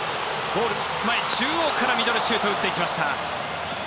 ゴール前中央からミドルシュートを打っていきました。